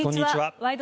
「ワイド！